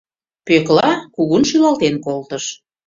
Пӧкла кугун шӱлалтен колтыш.